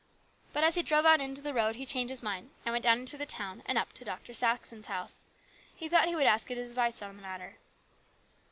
But as he drove out into the road he changed his mind, and went down into the town, and up into Dr. Saxon's house. He thought he would ask his advice on the matter.